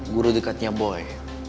guru dekatnya boy